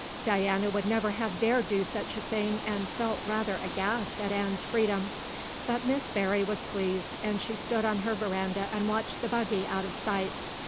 Diana would never have dared to do such a thing and felt rather aghast at Anne's freedom. But Miss Barry was pleased, and she stood on her veranda and watched the buggy out of sight.